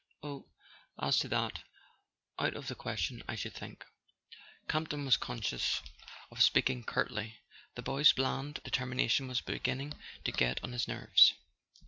"Oh, as to that—out of the question, I should think." Campton was conscious of speaking curtly: the boy's bland determination was beginning to get on his nerves.